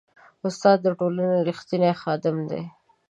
استاد د ټولنې ریښتینی خادم دی.